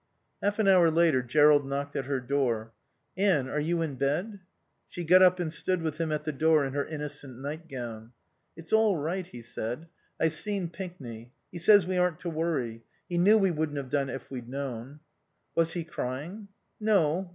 Half an hour later Jerrold knocked at her door. "Anne are you in bed?" She got up and stood with him at the door in her innocent nightgown. "It's all right," he said. "I've seen Pinkney. He says we aren't to worry. He knew we wouldn't have done it if we'd known." "Was he crying?" "No.